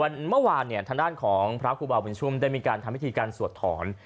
เมื่อวานเนี่ยทางด้านของพระครูบาบุญชุมได้มีการทำพิธีการสวดถอน